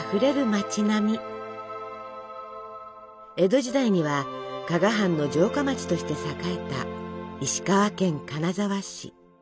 江戸時代には加賀藩の城下町として栄えた石川県金沢市。